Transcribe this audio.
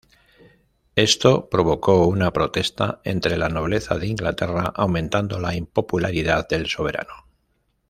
Esto provocó una protesta entre la nobleza de Inglaterra aumentando la impopularidad del soberano.